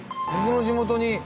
僕の地元に。